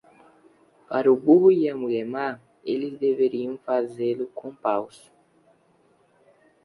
Para o burro e a mulher má, eles deveriam fazê-lo com paus.